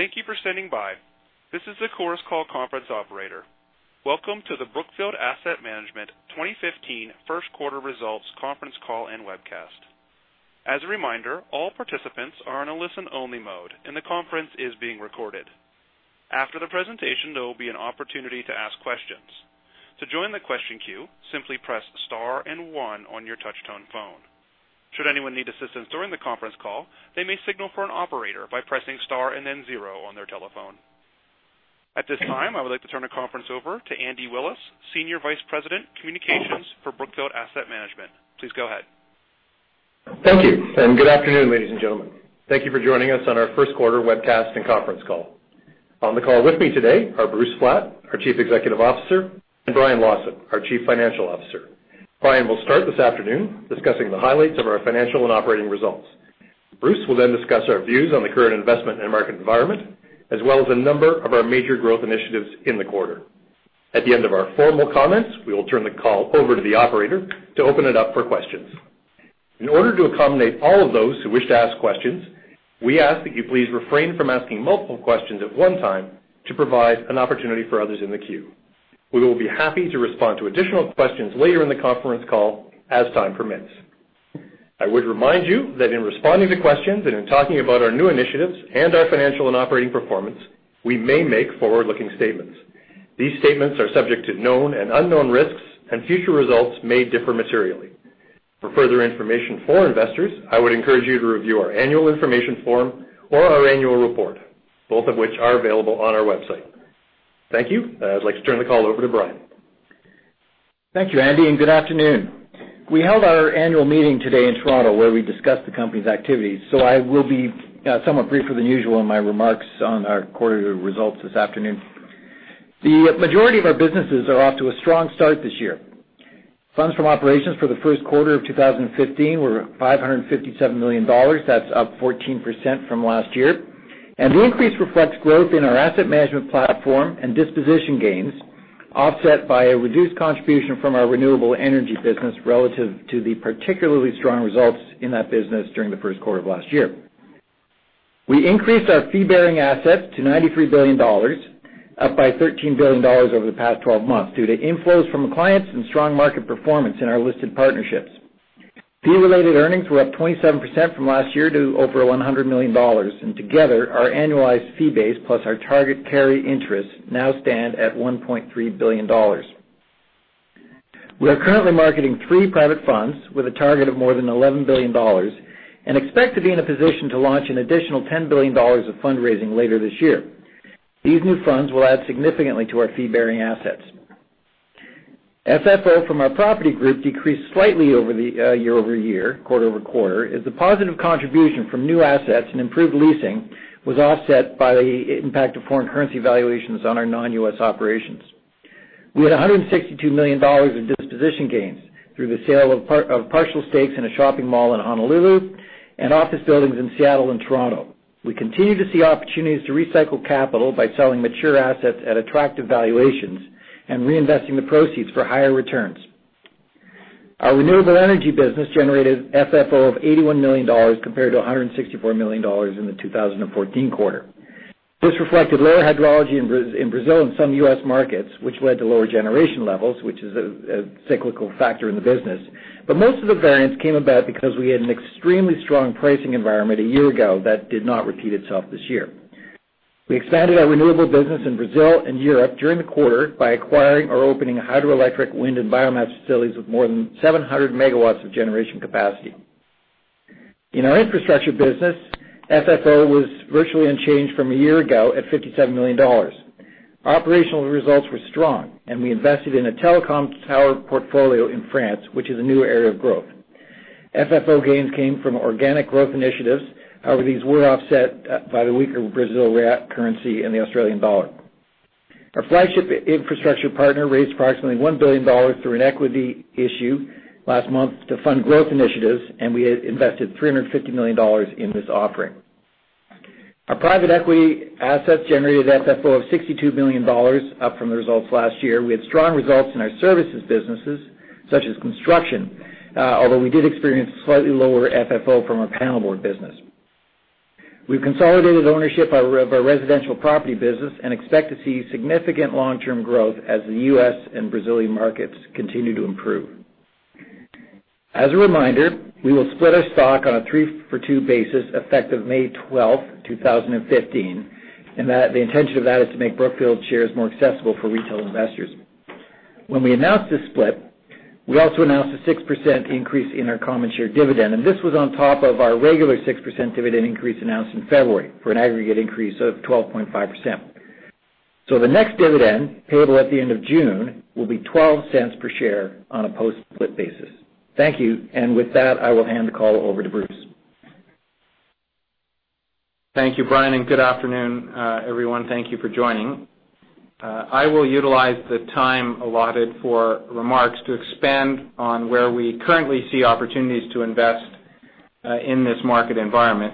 Thank you for standing by. This is the Chorus Call conference operator. Welcome to the Brookfield Asset Management 2015 first quarter results conference call and webcast. As a reminder, all participants are in a listen-only mode, and the conference is being recorded. After the presentation, there will be an opportunity to ask questions. To join the question queue, simply press star and one on your touch-tone phone. Should anyone need assistance during the conference call, they may signal for an operator by pressing star and then zero on their telephone. At this time, I would like to turn the conference over to Andrew Willis, Senior Vice President, Communications for Brookfield Asset Management. Please go ahead. Thank you. Good afternoon, ladies and gentlemen. Thank you for joining us on our first quarter webcast and conference call. On the call with me today are Bruce Flatt, our Chief Executive Officer, and Brian Lawson, our Chief Financial Officer. Brian will start this afternoon discussing the highlights of our financial and operating results. Bruce will discuss our views on the current investment and market environment, as well as a number of our major growth initiatives in the quarter. At the end of our formal comments, we will turn the call over to the operator to open it up for questions. In order to accommodate all of those who wish to ask questions, we ask that you please refrain from asking multiple questions at one time to provide an opportunity for others in the queue. We will be happy to respond to additional questions later in the conference call as time permits. I would remind you that in responding to questions and in talking about our new initiatives and our financial and operating performance, we may make forward-looking statements. These statements are subject to known and unknown risks, and future results may differ materially. For further information for investors, I would encourage you to review our annual information form or our annual report, both of which are available on our website. Thank you. I'd like to turn the call over to Brian. Thank you, Andy. Good afternoon. We held our annual meeting today in Toronto where we discussed the company's activities. I will be somewhat briefer than usual in my remarks on our quarterly results this afternoon. The majority of our businesses are off to a strong start this year. Funds from operations for the first quarter of 2015 were $557 million. That's up 14% from last year. The increase reflects growth in our asset management platform and disposition gains, offset by a reduced contribution from our renewable energy business relative to the particularly strong results in that business during the first quarter of last year. We increased our fee-bearing assets to $93 billion, up by $13 billion over the past 12 months, due to inflows from the clients and strong market performance in our listed partnerships. Fee-related earnings were up 27% from last year to over $100 million. Together our annualized fee base plus our target carried interest now stand at $1.3 billion. We are currently marketing three private funds with a target of more than $11 billion and expect to be in a position to launch an additional $10 billion of fundraising later this year. These new funds will add significantly to our fee-bearing assets. FFO from our Property Group decreased slightly year-over-year, quarter-over-quarter, as the positive contribution from new assets and improved leasing was offset by the impact of foreign currency valuations on our non-U.S. operations. We had $162 million in disposition gains through the sale of partial stakes in a shopping mall in Honolulu and office buildings in Seattle and Toronto. We continue to see opportunities to recycle capital by selling mature assets at attractive valuations and reinvesting the proceeds for higher returns. Our renewable energy business generated FFO of $81 million compared to $164 million in the 2014 quarter. This reflected lower hydrology in Brazil and some U.S. markets, which led to lower generation levels, which is a cyclical factor in the business. Most of the variance came about because we had an extremely strong pricing environment a year ago that did not repeat itself this year. We expanded our renewable business in Brazil and Europe during the quarter by acquiring or opening hydroelectric wind and biomass facilities with more than 700 MW of generation capacity. In our infrastructure business, FFO was virtually unchanged from a year ago at $57 million. Operational results were strong. We invested in a telecom tower portfolio in France, which is a new area of growth. FFO gains came from organic growth initiatives. However, these were offset by the weaker Brazil real currency and the Australian dollar. Our flagship infrastructure partner raised approximately $1 billion through an equity issue last month to fund growth initiatives, and we invested $350 million in this offering. Our private equity assets generated FFO of $62 million, up from the results last year. We had strong results in our services businesses, such as construction, although we did experience slightly lower FFO from our panel board business. We've consolidated ownership of our residential property business and expect to see significant long-term growth as the U.S. and Brazilian markets continue to improve. As a reminder, we will split our stock on a three-for-two basis effective May 12th, 2015. The intention of that is to make Brookfield shares more accessible for retail investors. When we announced this split, we also announced a 6% increase in our common share dividend. This was on top of our regular 6% dividend increase announced in February for an aggregate increase of 12.5%. The next dividend payable at the end of June will be $0.12 per share on a post-split basis. Thank you. With that, I will hand the call over to Bruce. Thank you, Brian, and good afternoon, everyone. Thank you for joining. I will utilize the time allotted for remarks to expand on where we currently see opportunities to invest in this market environment.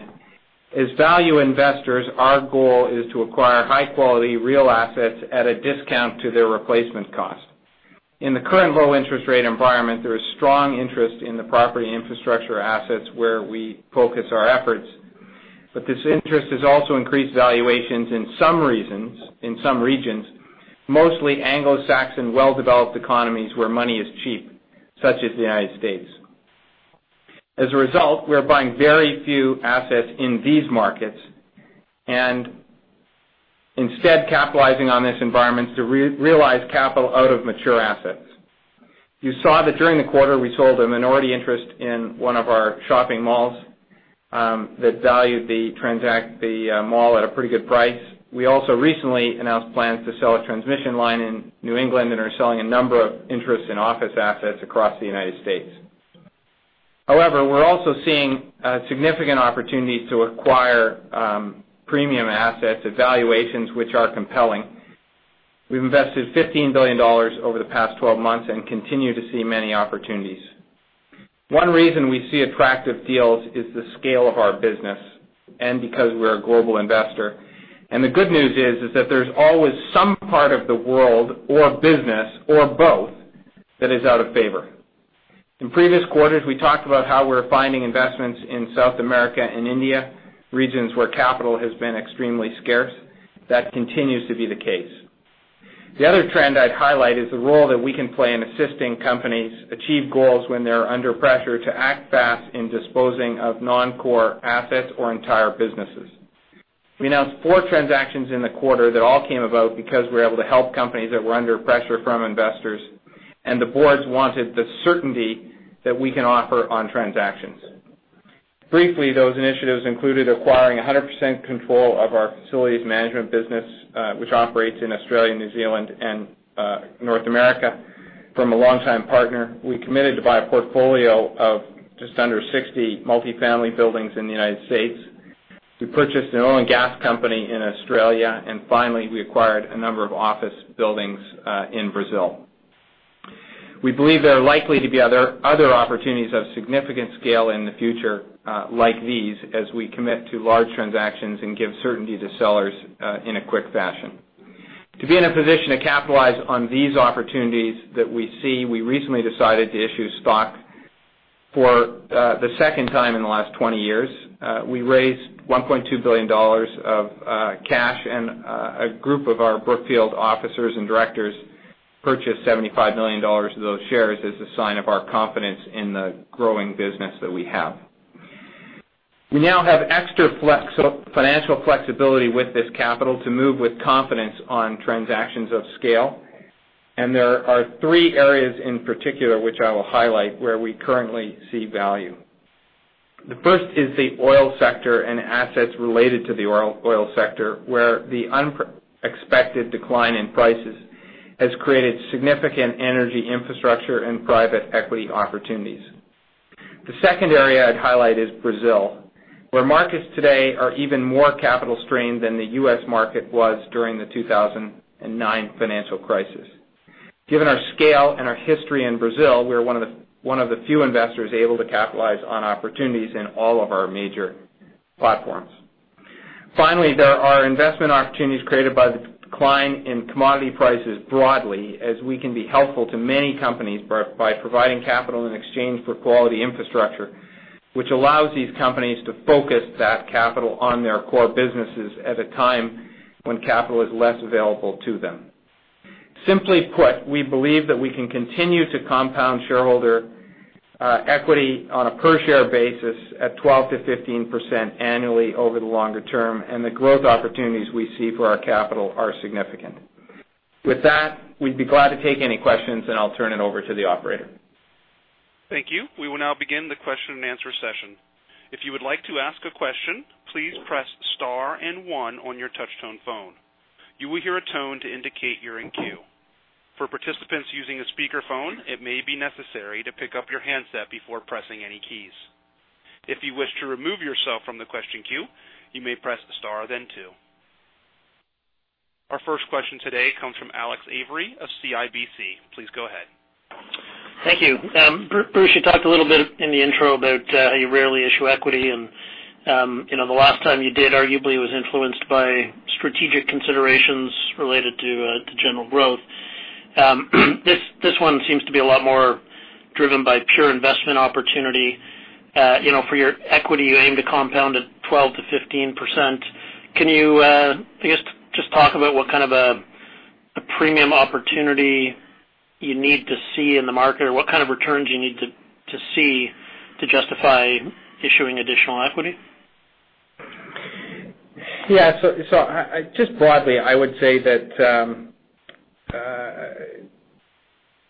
As value investors, our goal is to acquire high-quality real assets at a discount to their replacement cost In the current low interest rate environment, there is strong interest in the property infrastructure assets where we focus our efforts. This interest has also increased valuations in some regions, mostly Anglo-Saxon well-developed economies where money is cheap, such as the United States. As a result, we are buying very few assets in these markets and instead capitalizing on this environment to realize capital out of mature assets. You saw that during the quarter, we sold a minority interest in one of our shopping malls that valued the mall at a pretty good price. We also recently announced plans to sell a transmission line in New England and are selling a number of interests in office assets across the United States. However, we're also seeing significant opportunities to acquire premium assets at valuations which are compelling. We've invested $15 billion over the past 12 months and continue to see many opportunities. One reason we see attractive deals is the scale of our business and because we're a global investor. The good news is that there's always some part of the world or business or both that is out of favor. In previous quarters, we talked about how we're finding investments in South America and India, regions where capital has been extremely scarce. That continues to be the case. The other trend I'd highlight is the role that we can play in assisting companies achieve goals when they're under pressure to act fast in disposing of non-core assets or entire businesses. We announced four transactions in the quarter that all came about because we were able to help companies that were under pressure from investors, and the boards wanted the certainty that we can offer on transactions. Briefly, those initiatives included acquiring 100% control of our facilities management business, which operates in Australia, New Zealand, and North America from a longtime partner. We committed to buy a portfolio of just under 60 multi-family buildings in the United States. We purchased an oil and gas company in Australia, and finally, we acquired a number of office buildings in Brazil. We believe there are likely to be other opportunities of significant scale in the future like these as we commit to large transactions and give certainty to sellers in a quick fashion. To be in a position to capitalize on these opportunities that we see, we recently decided to issue stock for the second time in the last 20 years. We raised $1.2 billion of cash, and a group of our Brookfield officers and directors purchased $75 million of those shares as a sign of our confidence in the growing business that we have. We now have extra financial flexibility with this capital to move with confidence on transactions of scale. There are three areas in particular which I will highlight where we currently see value. The first is the oil sector and assets related to the oil sector, where the unexpected decline in prices has created significant energy infrastructure and private equity opportunities. The second area I'd highlight is Brazil, where markets today are even more capital strained than the U.S. market was during the 2009 financial crisis. Given our scale and our history in Brazil, we are one of the few investors able to capitalize on opportunities in all of our major platforms. Finally, there are investment opportunities created by the decline in commodity prices broadly as we can be helpful to many companies by providing capital in exchange for quality infrastructure, which allows these companies to focus that capital on their core businesses at a time when capital is less available to them. Simply put, we believe that we can continue to compound shareholder equity on a per-share basis at 12%-15% annually over the longer term. The growth opportunities we see for our capital are significant. With that, we'd be glad to take any questions, and I'll turn it over to the operator. Thank you. We will now begin the question and answer session. If you would like to ask a question, please press star and one on your touch-tone phone. You will hear a tone to indicate you're in queue. For participants using a speakerphone, it may be necessary to pick up your handset before pressing any keys. If you wish to remove yourself from the question queue, you may press star, then two. Our first question today comes from Alex Avery of CIBC. Please go ahead. Thank you. Bruce, you talked a little bit in the intro about how you rarely issue equity, and the last time you did arguably was influenced by strategic considerations related to General Growth. This one seems to be a lot more driven by pure investment opportunity. For your equity, you aim to compound at 12%-15%. Can you just talk about what kind of a premium opportunity you need to see in the market, or what kind of returns you need to see to justify issuing additional equity? Yeah. Just broadly, I would say that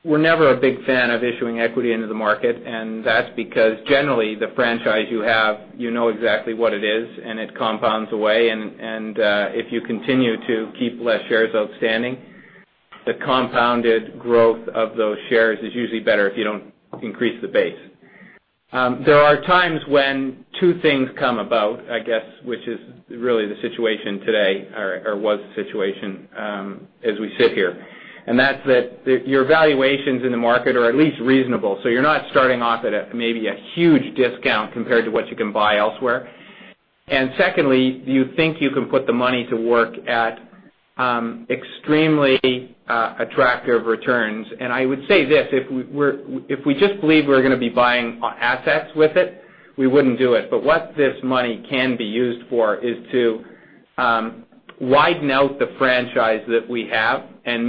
we're never a big fan of issuing equity into the market, and that's because generally the franchise you have, you know exactly what it is, and it compounds away. If you continue to keep less shares outstanding, the compounded growth of those shares is usually better if you don't increase the base. There are times when two things come about, I guess, which is really the situation today or was the situation as we sit here, and that's that your valuations in the market are at least reasonable. You're not starting off at maybe a huge discount compared to what you can buy elsewhere. Secondly, do you think you can put the money to work at extremely attractive returns? I would say this, if we just believe we're going to be buying assets with it, we wouldn't do it. What this money can be used for is to widen out the franchise that we have and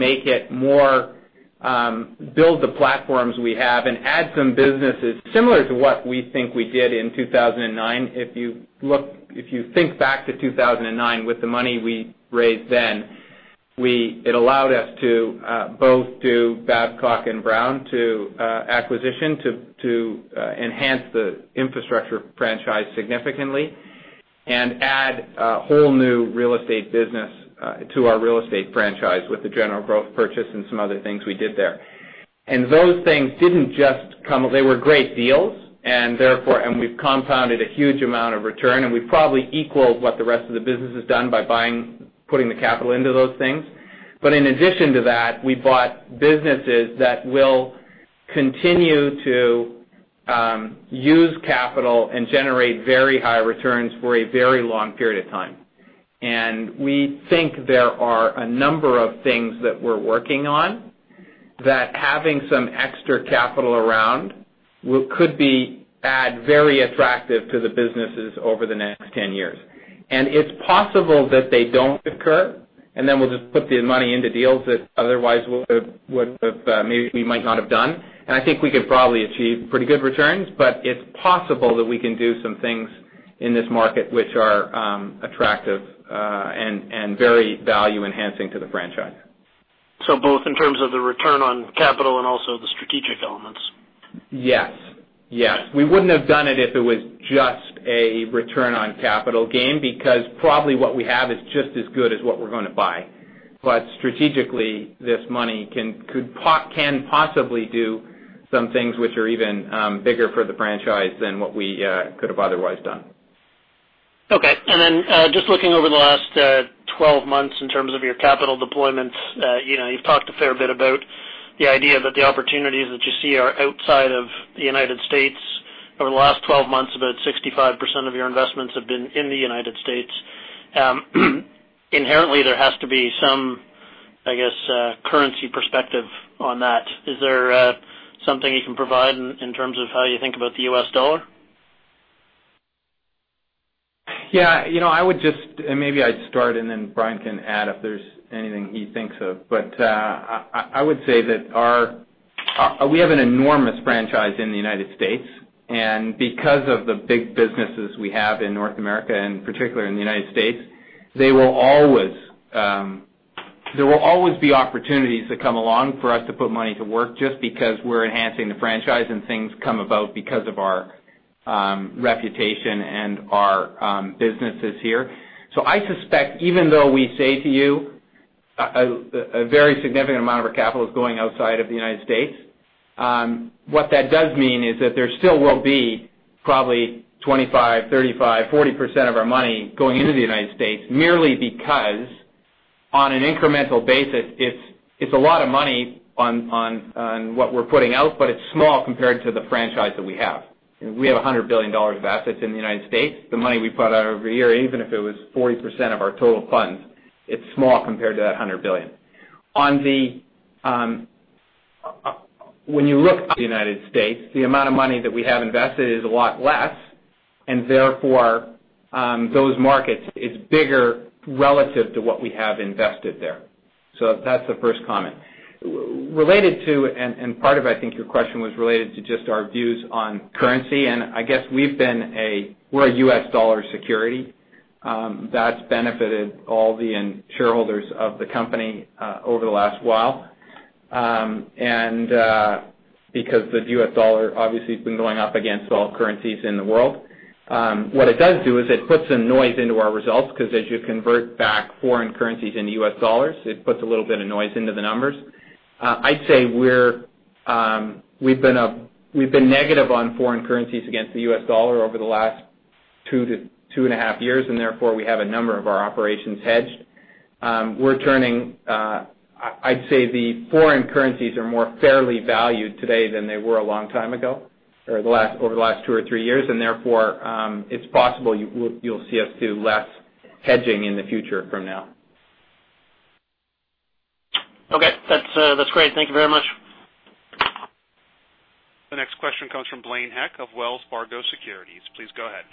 build the platforms we have and add some businesses, similar to what we think we did in 2009. If you think back to 2009 with the money we raised then, it allowed us to both do Babcock & Brown, to acquisition, to enhance the infrastructure franchise significantly and add a whole new real estate business to our real estate franchise with the General Growth purchase and some other things we did there. Those things were great deals, and we've compounded a huge amount of return, and we've probably equaled what the rest of the business has done by putting the capital into those things. In addition to that, we bought businesses that will continue to use capital and generate very high returns for a very long period of time. We think there are a number of things that we're working on that having some extra capital around could be very attractive to the businesses over the next 10 years. It's possible that they don't occur, then we'll just put the money into deals that otherwise we might not have done. I think we could probably achieve pretty good returns, but it's possible that we can do some things in this market which are attractive and very value-enhancing to the franchise. Both in terms of the return on capital and also the strategic elements. Yes. We wouldn't have done it if it was just a return on capital gain, because probably what we have is just as good as what we're going to buy. Strategically, this money can possibly do some things which are even bigger for the franchise than what we could have otherwise done. Okay. Just looking over the last 12 months in terms of your capital deployments, you've talked a fair bit about the idea that the opportunities that you see are outside of the U.S. Over the last 12 months, about 65% of your investments have been in the U.S. Inherently, there has to be some currency perspective on that. Is there something you can provide in terms of how you think about the U.S. dollar? Yeah. Maybe I'd start, Brian can add if there's anything he thinks of. I would say that we have an enormous franchise in the U.S. Because of the big businesses we have in North America, and particularly in the U.S., there will always be opportunities that come along for us to put money to work just because we're enhancing the franchise and things come about because of our reputation and our businesses here. I suspect even though we say to you a very significant amount of our capital is going outside of the U.S., what that does mean is that there still will be probably 25%, 35%, 40% of our money going into the U.S., merely because on an incremental basis, it's a lot of money on what we're putting out, but it's small compared to the franchise that we have. We have $100 billion of assets in the U.S. The money we put out every year, even if it was 40% of our total funds, it's small compared to that $100 billion. When you look at the U.S., the amount of money that we have invested is a lot less, therefore, those markets is bigger relative to what we have invested there. That's the first comment. Related to, part of, I think, your question was related to just our views on currency, I guess we're a U.S. dollar security. That's benefited all the shareholders of the company over the last while. Because the U.S. dollar obviously has been going up against all currencies in the world. What it does do is it puts some noise into our results because as you convert back foreign currencies into U.S. dollars, it puts a little bit of noise into the numbers. I'd say we've been negative on foreign currencies against the U.S. dollar over the last two and a half years, and therefore, we have a number of our operations hedged. I'd say the foreign currencies are more fairly valued today than they were a long time ago or over the last two or three years, and therefore, it's possible you'll see us do less hedging in the future from now. That's great. Thank you very much. The next question comes from Blaine Heck of Wells Fargo Securities. Please go ahead.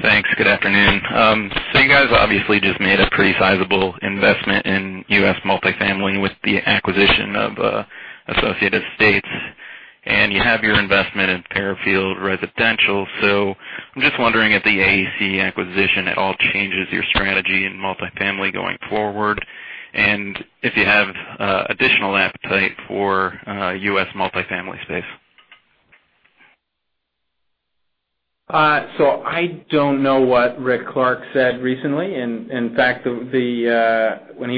Thanks. Good afternoon. You guys obviously just made a pretty sizable investment in U.S. multifamily with the acquisition of Associated Estates, and you have your investment in Fairfield Residential. I'm just wondering if the AEC acquisition at all changes your strategy in multifamily going forward, and if you have additional appetite for U.S. multifamily space. I don't know what Ric Clark said recently. In fact, when he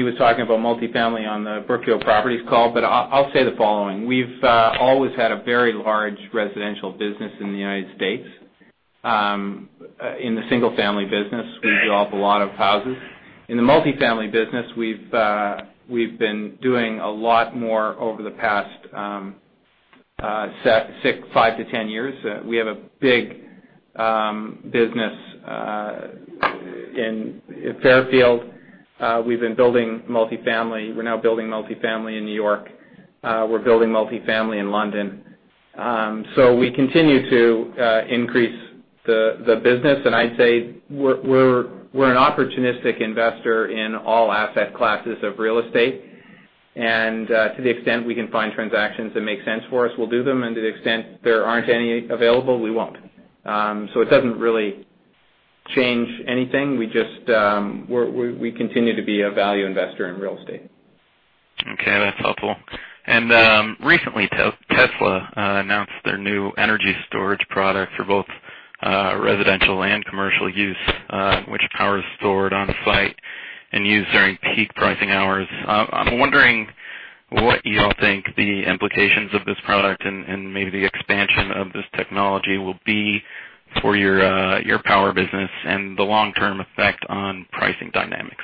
was talking about multifamily on the Brookfield Properties call. I'll say the following. We've always had a very large residential business in the U.S. In the single-family business, we develop a lot of houses. In the multifamily business, we've been doing a lot more over the past five to 10 years. We have a big business in Fairfield. We've been building multi-family. We're now building multi-family in N.Y. We're building multi-family in London. We continue to increase the business, and I'd say we're an opportunistic investor in all asset classes of real estate. To the extent we can find transactions that make sense for us, we'll do them. To the extent there aren't any available, we won't. It doesn't really change anything. We continue to be a value investor in real estate. Okay, that's helpful. Recently, Tesla announced their new energy storage product for both residential and commercial use, which power is stored on site and used during peak pricing hours. I'm wondering what you all think the implications of this product and maybe the expansion of this technology will be for your power business and the long-term effect on pricing dynamics.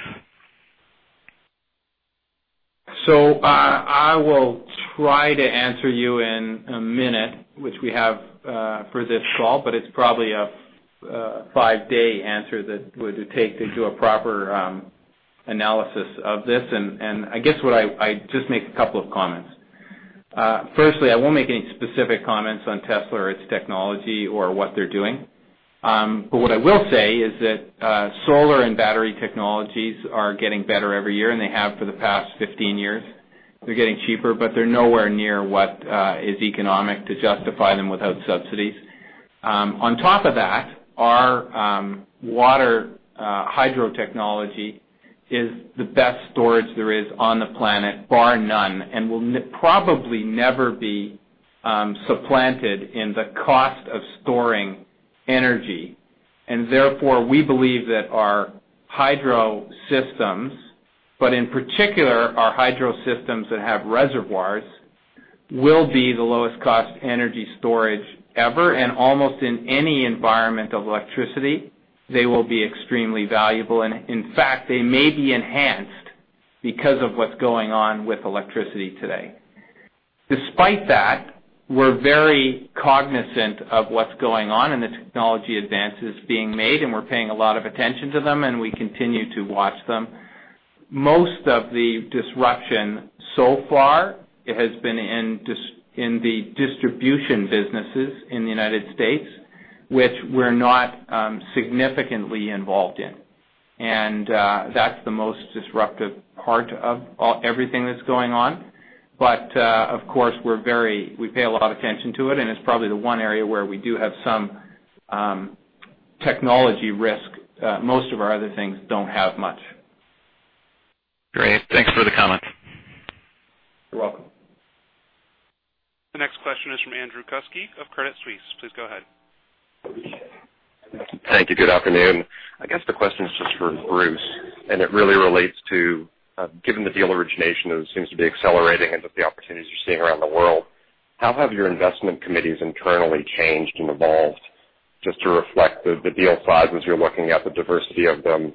I will try to answer you in a minute, which we have for this call, but it's probably a five-day answer that would take to do a proper analysis of this. I guess I'll just make a couple of comments. Firstly, I won't make any specific comments on Tesla or its technology or what they're doing. What I will say is that solar and battery technologies are getting better every year, and they have for the past 15 years. They're getting cheaper, but they're nowhere near what is economic to justify them without subsidies. On top of that, our water hydro technology is the best storage there is on the planet, bar none, and will probably never be supplanted in the cost of storing energy. Therefore, we believe that our hydro systems, but in particular our hydro systems that have reservoirs, will be the lowest cost energy storage ever, and almost in any environment of electricity, they will be extremely valuable. In fact, they may be enhanced because of what's going on with electricity today. Despite that, we're very cognizant of what's going on in the technology advances being made, and we're paying a lot of attention to them, and we continue to watch them. Most of the disruption so far has been in the distribution businesses in the U.S., which we're not significantly involved in. That's the most disruptive part of everything that's going on. Of course, we pay a lot of attention to it, and it's probably the one area where we do have some technology risk. Most of our other things don't have much. Great. Thanks for the comments. You're welcome. The next question is from Andrew Kuske of Credit Suisse. Please go ahead. Thank you. Good afternoon. The question is just for Bruce, and it really relates to, given the deal origination that seems to be accelerating and with the opportunities you are seeing around the world, how have your investment committees internally changed and evolved just to reflect the deal size as you are looking at the diversity of them?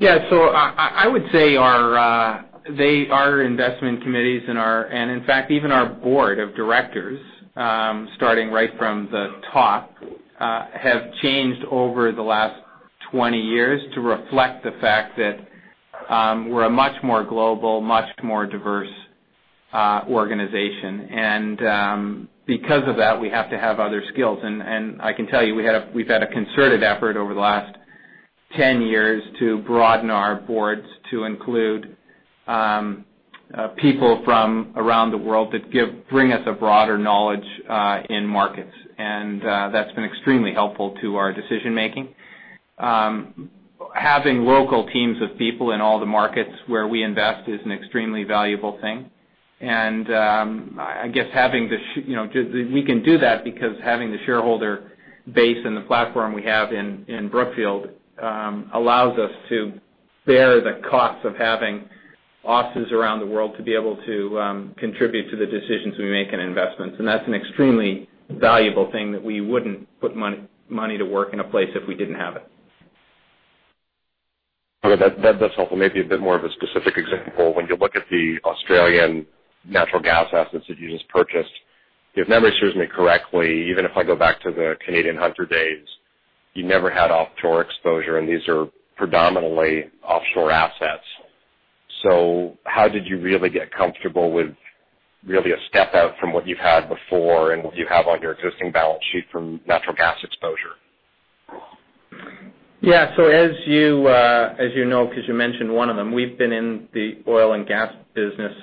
I would say our investment committees and in fact, even our board of directors, starting right from the top, have changed over the last 20 years to reflect the fact that we are a much more global, much more diverse organization. Because of that, we have to have other skills. I can tell you, we have had a concerted effort over the last 10 years to broaden our boards to include people from around the world that bring us a broader knowledge in markets. That has been extremely helpful to our decision-making. Having local teams of people in all the markets where we invest is an extremely valuable thing. We can do that because having the shareholder base and the platform we have in Brookfield allows us to bear the cost of having offices around the world to be able to contribute to the decisions we make in investments. That is an extremely valuable thing that we would not put money to work in a place if we did not have it. That is helpful. Maybe a bit more of a specific example. When you look at the Australian natural gas assets that you just purchased, if memory serves me correctly, even if I go back to the Canadian Hunter days, you never had offshore exposure, and these are predominantly offshore assets. How did you really get comfortable with really a step out from what you have had before and what you have on your existing balance sheet from natural gas exposure? As you know, because you mentioned one of them, we've been in the oil and gas business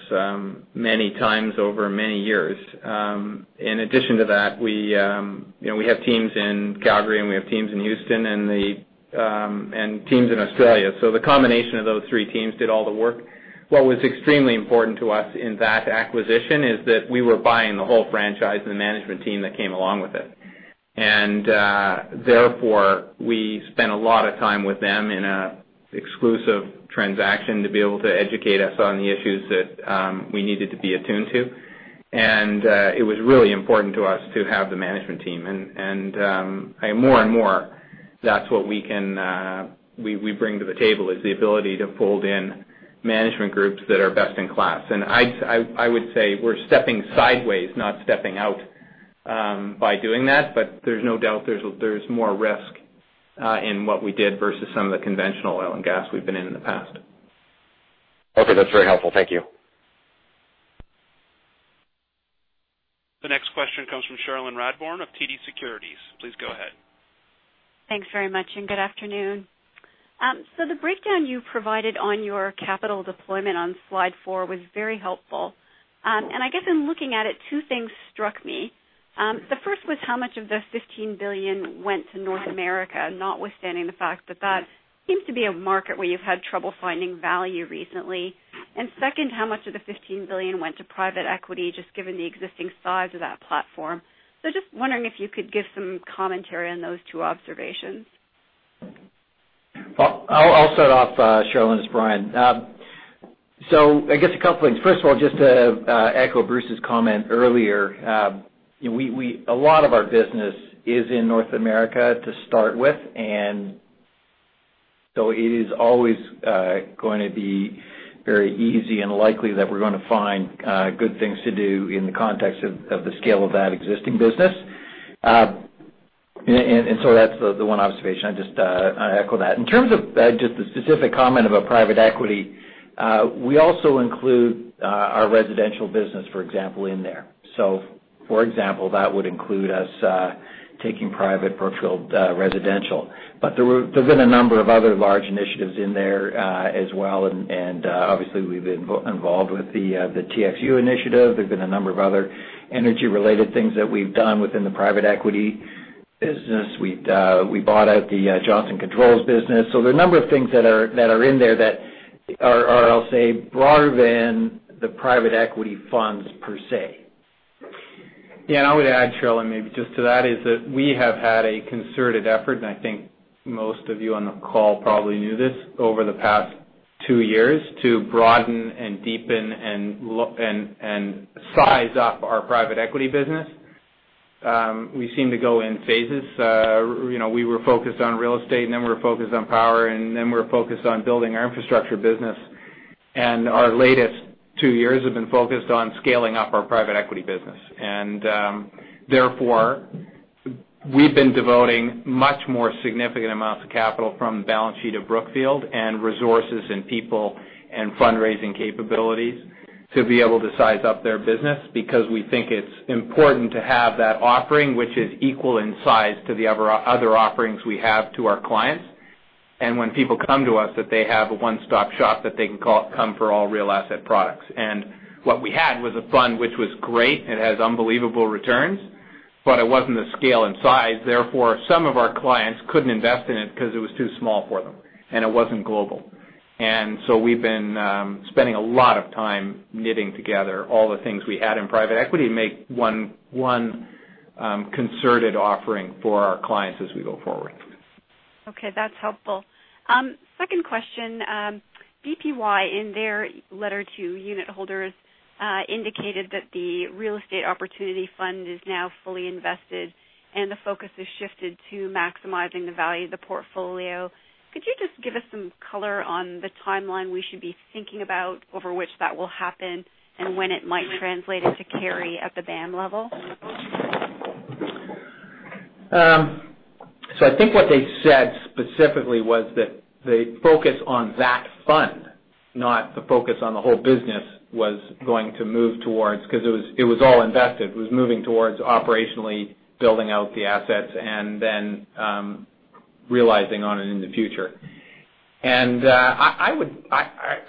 many times over many years. In addition to that, we have teams in Calgary, and we have teams in Houston, and teams in Australia. The combination of those three teams did all the work. What was extremely important to us in that acquisition is that we were buying the whole franchise and the management team that came along with it. Therefore, we spent a lot of time with them in an exclusive transaction to be able to educate us on the issues that we needed to be attuned to. It was really important to us to have the management team. That's what we bring to the table, is the ability to fold in management groups that are best in class. I would say we're stepping sideways, not stepping out by doing that, but there's no doubt there's more risk in what we did versus some of the conventional oil and gas we've been in in the past. Okay, that's very helpful. Thank you. The next question comes from Cherilyn Radbourne of TD Securities. Please go ahead. Thanks very much, and good afternoon. The breakdown you provided on your capital deployment on slide four was very helpful. I guess in looking at it, two things struck me. The first was how much of the $15 billion went to North America, notwithstanding the fact that that seems to be a market where you've had trouble finding value recently. Second, how much of the $15 billion went to private equity, just given the existing size of that platform. Just wondering if you could give some commentary on those two observations. I'll start off, Cherilyn. It's Brian. I guess a couple of things. First of all, just to echo Bruce's comment earlier, a lot of our business is in North America to start with. It is always going to be very easy and likely that we're going to find good things to do in the context of the scale of that existing business. That's the one observation. I just echo that. In terms of just the specific comment about private equity, we also include our residential business, for example, in there. For example, that would include us taking private Brookfield Residential. There's been a number of other large initiatives in there as well. Obviously, we've been involved with the TXU initiative. There's been a number of other energy-related things that we've done within the private equity business. We bought out the Johnson Controls business. There are a number of things that are in there that are, I'll say, broader than the private equity funds per se. Yeah, I would add, Cherilyn, maybe just to that, is that we have had a concerted effort, I think most of you on the call probably knew this, over the past two years to broaden and deepen and size up our private equity business. We seem to go in phases. We were focused on real estate, we were focused on power, we were focused on building our infrastructure business. Our latest two years have been focused on scaling up our private equity business. Therefore, we've been devoting much more significant amounts of capital from the balance sheet of Brookfield and resources and people and fundraising capabilities to be able to size up their business because we think it's important to have that offering, which is equal in size to the other offerings we have to our clients. When people come to us, that they have a one-stop shop that they can come for all real asset products. What we had was a fund which was great. It has unbelievable returns, but it wasn't the scale and size. Therefore, some of our clients couldn't invest in it because it was too small for them, and it wasn't global. We've been spending a lot of time knitting together all the things we had in private equity to make one concerted offering for our clients as we go forward. Okay, that's helpful. Second question. BPY, in their letter to unit holders, indicated that the real estate opportunity fund is now fully invested, and the focus has shifted to maximizing the value of the portfolio. Could you just give us some color on the timeline we should be thinking about over which that will happen, and when it might translate into carry at the BAM level? I think what they said specifically was that the focus on that fund, not the focus on the whole business, was going to move towards. Because it was all invested. It was moving towards operationally building out the assets and then realizing on it in the future. I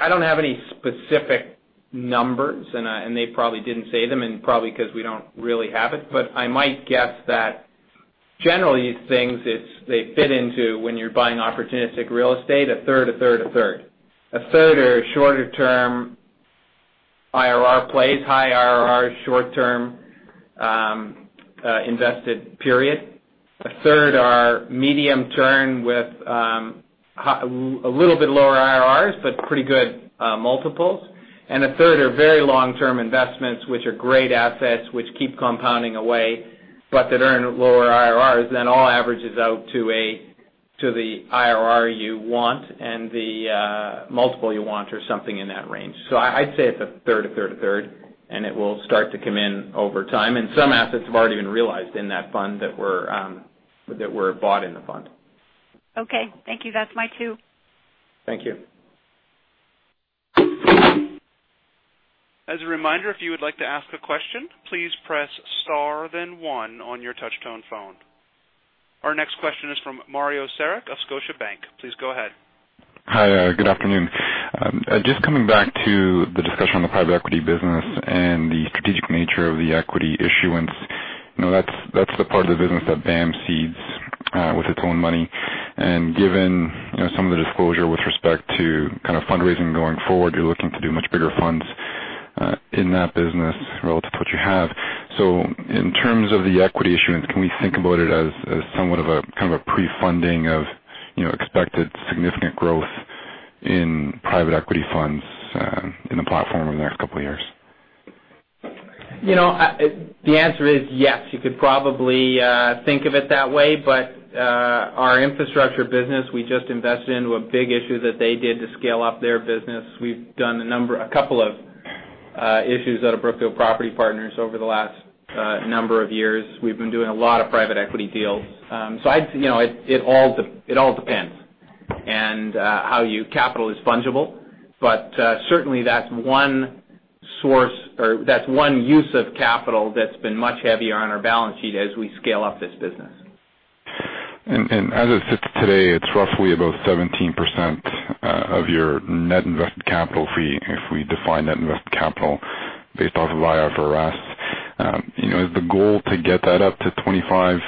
don't have any specific numbers, and they probably didn't say them, and probably because we don't really have it. I might guess that generally these things, they fit into, when you're buying opportunistic real estate, a third, a third, a third. A third are shorter-term IRR plays. High IRRs, short-term invested period. A third are medium-term with a little bit lower IRRs, but pretty good multiples. A third are very long-term investments, which are great assets, which keep compounding away, but that earn lower IRRs. All averages out to the IRR you want and the multiple you want or something in that range. So I'd say it's a third, a third, a third, and it will start to come in over time. Some assets have already been realized in that fund that were bought in the fund. Okay. Thank you. That's my two. Thank you. As a reminder, if you would like to ask a question, please press star then one on your touch-tone phone. Our next question is from Mario Saric of Scotiabank. Please go ahead. Hi. Good afternoon. Just coming back to the discussion on the private equity business and the strategic nature of the equity issuance. That's the part of the business that BAM seeds with its own money. Given some of the disclosure with respect to kind of fundraising going forward, you're looking to do much bigger funds in that business relative to what you have. In terms of the equity issuance, can we think about it as somewhat of a kind of a pre-funding of expected significant growth in private equity funds in the platform over the next couple of years? The answer is yes. You could probably think of it that way, our infrastructure business, we just invested into a big issue that they did to scale up their business. We've done a couple of issues out of Brookfield Property Partners over the last number of years. We've been doing a lot of private equity deals. It all depends and how your capital is fungible, but certainly that's one use of capital that's been much heavier on our balance sheet as we scale up this business. As it sits today, it's roughly about 17% of your net invested capital if we define net invested capital based off of IFRS. Is the goal to get that up to 25%,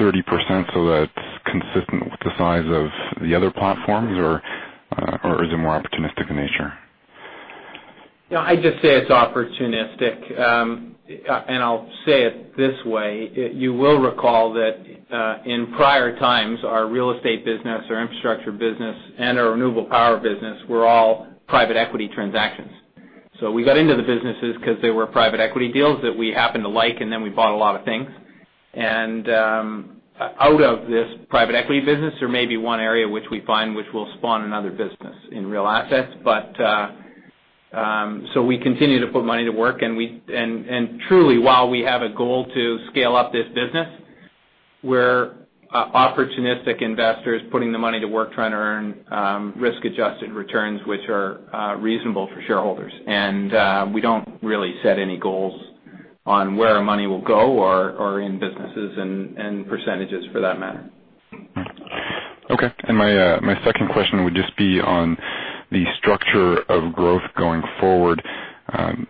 30% so that it's consistent with the size of the other platforms? Or is it more opportunistic in nature? I'd just say it's opportunistic. I'll say it this way, you will recall that in prior times, our real estate business, our infrastructure business, and our renewable power business were all private equity transactions. We got into the businesses because they were private equity deals that we happened to like, and then we bought a lot of things. Out of this private equity business, there may be one area which we find which will spawn another business in real assets. We continue to put money to work, and truly, while we have a goal to scale up this business, we're opportunistic investors putting the money to work trying to earn risk-adjusted returns which are reasonable for shareholders. We don't really set any goals on where our money will go or in businesses and percentages, for that matter. Okay. My second question would just be on the structure of growth going forward.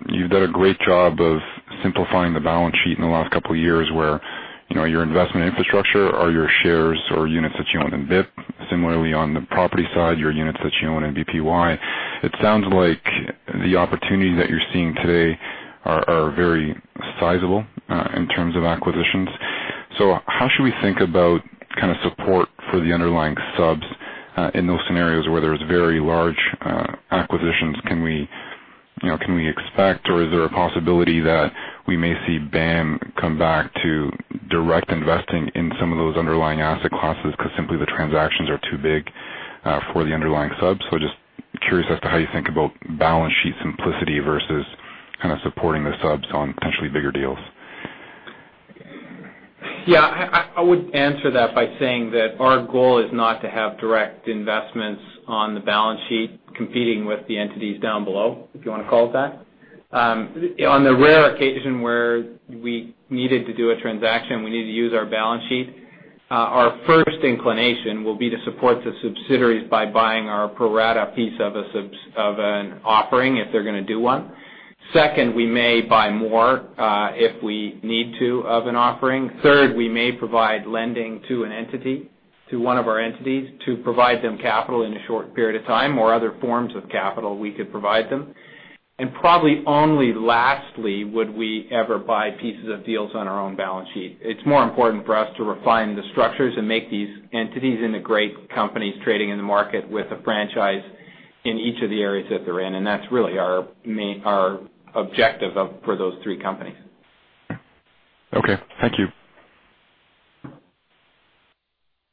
You've done a great job of simplifying the balance sheet in the last couple of years, where your investment infrastructure are your shares or units that you own in BIP. Similarly, on the property side, your units that you own in BPY. It sounds like the opportunities that you're seeing today are very sizable in terms of acquisitions. How should we think about support for the underlying subs in those scenarios where there's very large acquisitions? Can we expect, or is there a possibility that we may see BAM come back to direct investing in some of those underlying asset classes, because simply the transactions are too big for the underlying subs? Just curious as to how you think about balance sheet simplicity versus supporting the subs on potentially bigger deals. Yeah. I would answer that by saying that our goal is not to have direct investments on the balance sheet competing with the entities down below, if you want to call it that. On the rare occasion where we needed to do a transaction, we needed to use our balance sheet, our first inclination will be to support the subsidiaries by buying our pro rata piece of an offering if they're going to do one. Second, we may buy more, if we need to, of an offering. Third, we may provide lending to one of our entities to provide them capital in a short period of time or other forms of capital we could provide them. Probably only lastly, would we ever buy pieces of deals on our own balance sheet. It's more important for us to refine the structures and make these entities into great companies trading in the market with a franchise in each of the areas that they're in. That's really our objective for those three companies. Okay. Thank you.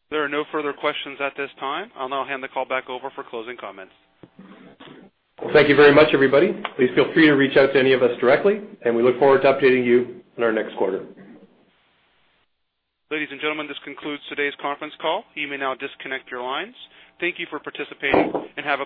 There are no further questions at this time. I'll now hand the call back over for closing comments. Thank you very much, everybody. Please feel free to reach out to any of us directly, and we look forward to updating you in our next quarter. Ladies and gentlemen, this concludes today's conference call. You may now disconnect your lines. Thank you for participating, and have a great day.